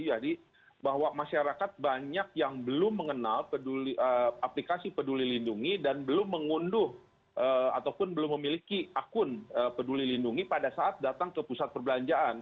jadi bahwa masyarakat banyak yang belum mengenal aplikasi peduli lindungi dan belum mengunduh ataupun belum memiliki akun peduli lindungi pada saat datang ke pusat perbelanjaan